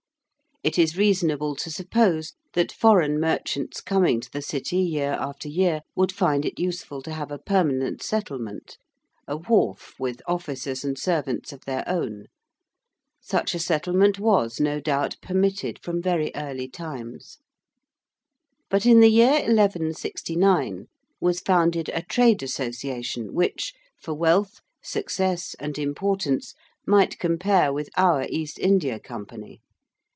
It is reasonable to suppose that foreign merchants coming to the City year after year would find it useful to have a permanent settlement a wharf with officers and servants of their own. Such a settlement was, no doubt, permitted from very early times. But in the year 1169 was founded a trade association which, for wealth, success, and importance, might compare with our East India Company.